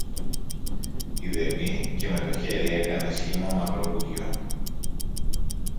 ειδεμή, και με το χέρι έκανε σχήμα μακροβουτιού